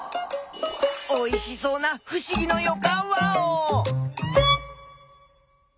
おいしそうなふしぎのよかんワオ！